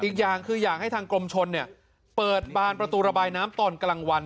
อีกอย่างคืออยากให้ทางกรมชนเปิดบานประตูระบายน้ำตอนกลางวัน